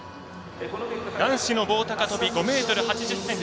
男子の棒高跳び５ｍ８０ｃｍ。